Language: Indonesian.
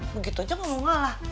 begitu aja mau ngalah